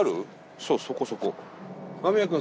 そうそこそこ。